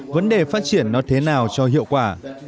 vấn đề phát triển nó thế nào cho hiệu quả